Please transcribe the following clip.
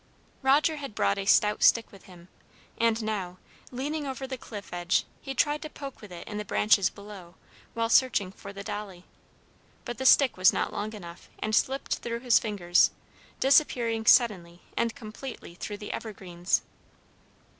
Roger had brought a stout stick with him, and now, leaning over the cliff edge, he tried to poke with it in the branches below, while searching for the dolly. But the stick was not long enough, and slipped through his fingers, disappearing suddenly and completely through the evergreens.